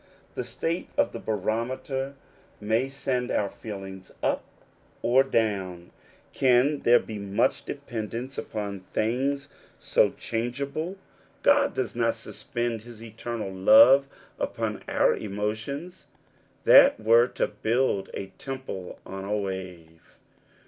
The state of the barometer may send our feelings up or down: ^ .0 ^ 88 According to the Promise. can there be much dependence upon things ^^\ changeable ? God does not suspend his etern^' ^ love upon our emotions: that were to build > temple on a wave.